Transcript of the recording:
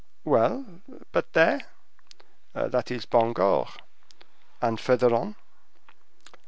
"Well, but there?" "That is Bangor." "And further on?"